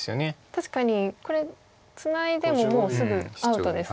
確かにこれツナいでももうすぐアウトですね。